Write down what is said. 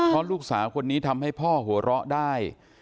เพราะลูกสาวคนนี้ทำให้พ่อหัวเราะได้